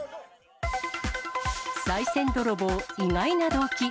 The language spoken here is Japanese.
さい銭泥棒、意外な動機。